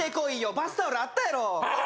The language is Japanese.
バスタオルあったやろアー！